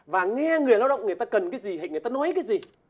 và nghe người lao động người ta cần cái gì hay người ta nói cái gì